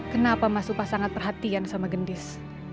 kenapa mas upah sangat perhatian sama gendis